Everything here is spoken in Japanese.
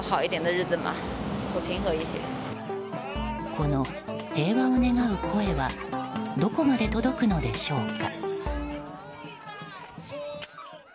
この平和を願う声はどこまで届くのでしょうか。